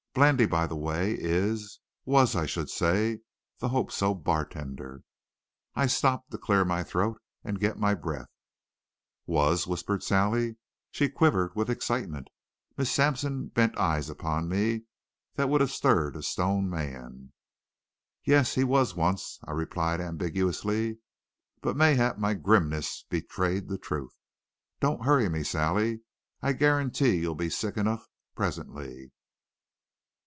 Blandy, by the way, is was I should say, the Hope So bartender." I stopped to clear my throat and get my breath. "Was," whispered Sally. She quivered with excitement. Miss Sampson bent eyes upon me that would have stirred a stone man. "Yes, he was once," I replied ambiguously, but mayhap my grimness betrayed the truth. "Don't hurry me, Sally. I guarantee you'll be sick enough presently.